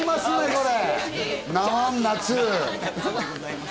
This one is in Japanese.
これ。